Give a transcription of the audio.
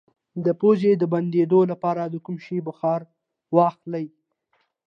د پوزې د بندیدو لپاره د کوم شي بخار واخلئ؟